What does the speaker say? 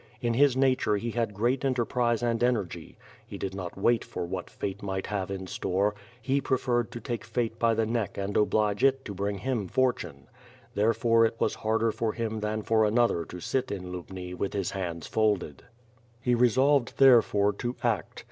In his nature he had great enterprise and energy. He did not wait for what fate might have in store; he preferred to take fate by the neck and oblige it to bring him fortune. Therefore it was harder for him than for an other to sit in Lubni with his hands folded. He resolved therefore to act.